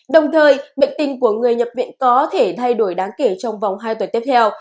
đồng thời bệnh tình của người nhập viện có thể thay đổi đáng kể trong vòng hai tuần tiếp theo